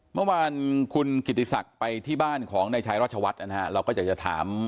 เมื่อวานคุณกิติศักดิ์ไปที่บ้านของนายชายรัชวัฒน์นะฮะเราก็อยากจะถาม